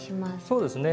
そうですね。